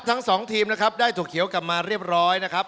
ทั้งสองทีมนะครับได้ถั่วเขียวกลับมาเรียบร้อยนะครับ